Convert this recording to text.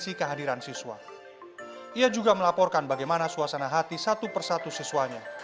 ia juga melaporkan bagaimana suasana hati satu persatu siswanya